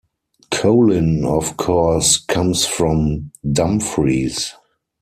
Colin of course comes from Dumfries.